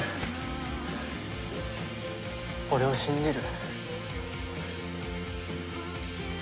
俺を信じる？